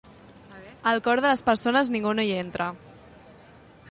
Al cor de les persones ningú no hi entra.